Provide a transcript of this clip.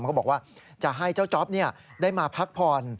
เขาบอกว่าจะให้เจ้าจ๊อปได้มาพักผ่อน